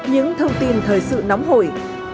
những thông tin thời sự nóng hổi